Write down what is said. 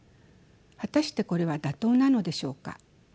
果たしてこれは妥当なのでしょうか。